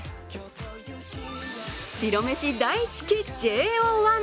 白飯大好きＪＯ１。